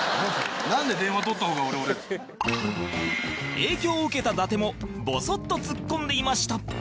影響を受けた伊達もボソッとツッコんでいました